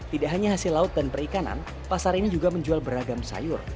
tidak hanya hasil laut dan perikanan pasar ini juga menjual beragam sayur